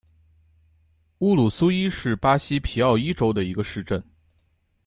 乌鲁苏伊是巴西皮奥伊州的一个市镇。